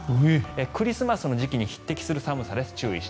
クリスマスの時期に匹敵する寒さです。